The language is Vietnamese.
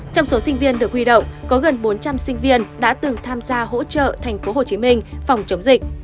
trong số sinh viên được huy động có gần bốn trăm linh sinh viên đã từng tham gia hỗ trợ tp hcm phòng chống dịch